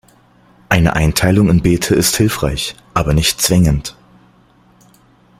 Eine Einteilung in Beete ist hilfreich, aber nicht zwingend.